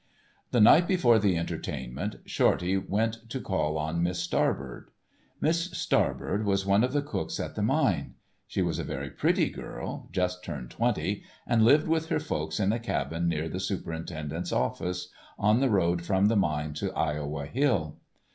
The night before the entertainment Shorty went to call on Miss Starbird. Miss Starbird was one of the cooks at the mine. She was a very pretty girl, just turned twenty, and lived with her folks in a cabin near the superintendent's office, on the road from the mine to Iowa Hill.